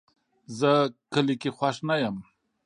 زه کلي کې خوښ نه یم